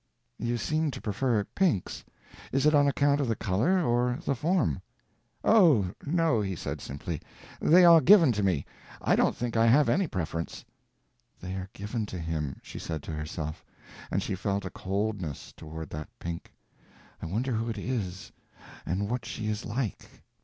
"You seem to prefer pinks. Is it on account of the color, or the form?" "Oh no," he said, simply, "they are given to me. I don't think I have any preference." "They are given to him," she said to herself, and she felt a coldness toward that pink. "I wonder who it is, and what she is like."